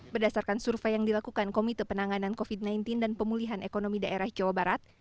berdasarkan survei yang dilakukan komite penanganan covid sembilan belas dan pemulihan ekonomi daerah jawa barat